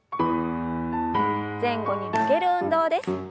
前後に曲げる運動です。